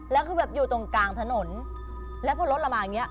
แล้วคือแบบอยู่ตรงกลางถนนแล้วพอรถเรามาอย่างเงี้